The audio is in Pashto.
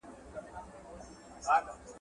زه به سبا لاس پرېولم!؟